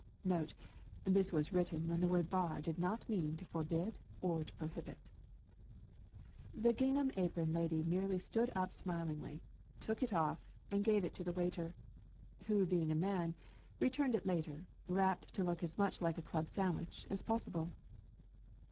Note: This was written when the word bar did not mean to forbid or to prohibit. The gingham apron lady merely stood up smilingly, took it off and gave it to the waiter, who being a man returned it later wrapped to look as much like a club sandwich as possible.